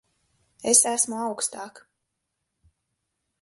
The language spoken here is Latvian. Es esmu augstāk.